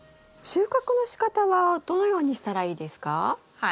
収穫のしかたはどのようにしたらいいですか？